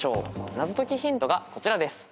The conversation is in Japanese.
謎解きヒントがこちらです。